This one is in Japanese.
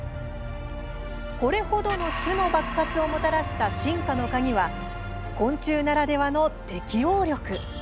これ程の種の爆発をもたらした進化の鍵は昆虫ならではの適応力。